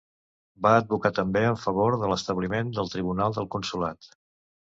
Va advocar també en favor de l'establiment del Tribunal del Consolat.